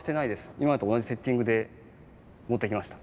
今までと同じセッティングで持ってきました。